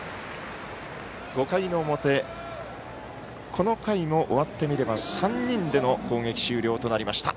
５回の表この回も終わってみれば３人での攻撃終了となりました。